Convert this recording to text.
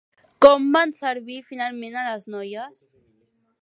Com van servir finalment a les noies?